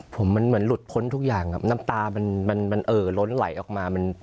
ผมมันเหมือนหลุดพ้นทุกอย่างครับน้ำตามันเอ่อล้นไหลออกมา